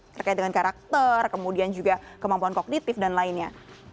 terkait dengan karakter kemudian juga kemampuan kognitif dan lainnya